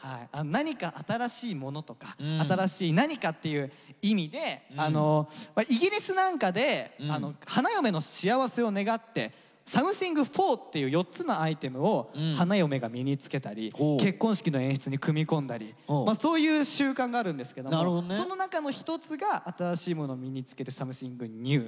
「何か新しいもの」とか「新しい何か」っていう意味でイギリスなんかで花嫁の幸せを願ってサムシング・フォーっていう４つのアイテムを花嫁が身に着けたり結婚式の演出に組み込んだりそういう習慣があるんですけどもその中の一つが新しいものを身に着ける「サムシング・ニュー」。